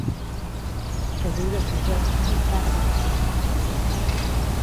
El veí del sisè no para de fer soroll.